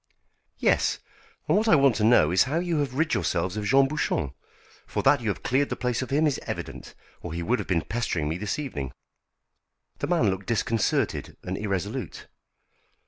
"Yes, and what I want to know is how you have rid yourselves of Jean Bouchon, for that you have cleared the place of him is evident, or he would have been pestering me this evening." The man looked disconcerted and irresolute.